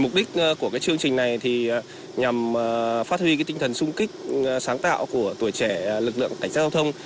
mục đích của cái chương trình này thì nhằm phát huy cái tinh thần sung kích sáng tạo của tuổi trẻ lực lượng cảnh sát giao thông